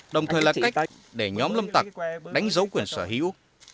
đồng thời là cách để nhóm lâm tặc đánh dấu quyền sở hữu